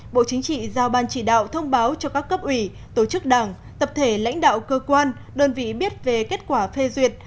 bộ chính trị giao ban chỉ đạo thông báo cho các cấp ủy tổ chức đảng tập thể lãnh đạo cơ quan đơn vị biết về kết quả phê duyệt